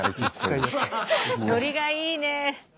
ノリがいいね！